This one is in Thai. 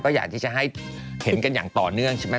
อยากที่จะให้เห็นกันอย่างต่อเนื่องใช่ไหม